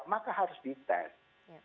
maka harus di test